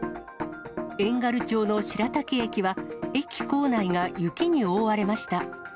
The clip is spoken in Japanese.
遠軽町の白滝駅は、駅構内が雪に覆われました。